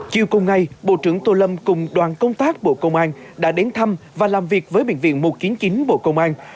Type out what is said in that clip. chiều cùng ngày bộ trưởng tô lâm cùng đoàn công tác bộ công an đã đến thăm và làm việc với bệnh viện một kiến chính bộ công an